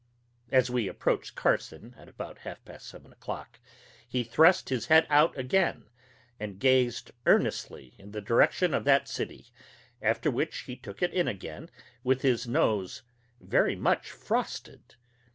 As we approached Carson, at about half past seven o'clock, he thrust his head out again, and gazed earnestly in the direction of that city after which he took it in again, with his nose very much frosted.